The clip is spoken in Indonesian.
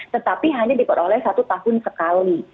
tetapi hanya diperoleh satu tahun sekali